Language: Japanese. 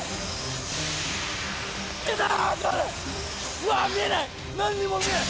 うわっ見えない何にも見えない